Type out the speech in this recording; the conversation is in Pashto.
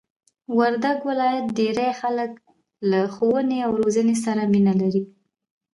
وردګ ولایت ډېرئ خلک له ښوونې او روزنې سره مینه لري!